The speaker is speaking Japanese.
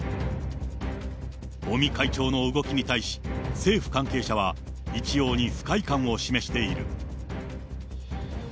尾身会長の動きに対し、政府関係者は一様に不快感を示している。